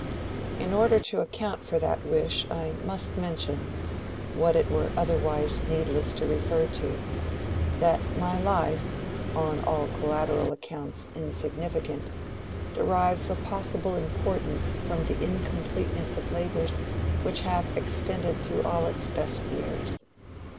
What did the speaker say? In order to account for that wish I must mention—what it were otherwise needless to refer to—that my life, on all collateral accounts insignificant, derives a possible importance from the incompleteness of labors which have extended through all its best years.